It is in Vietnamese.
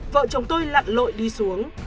vợ chồng tôi lặn lội đi xuống